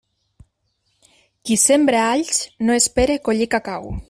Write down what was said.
Qui sembra alls, no espere collir cacau.